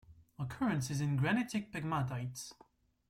Occurrence is in granitic pegmatites.